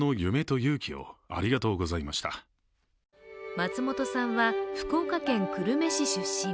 松本さんは福岡県久留米市出身。